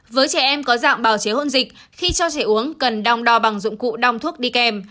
với trẻ em có dạng bào chế hôn dịch khi cho trẻ uống cần đong đo bằng dụng cụ đong thuốc đi kèm